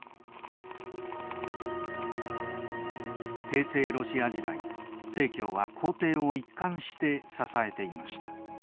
帝政ロシア時代正教は皇帝を一貫して支えていました。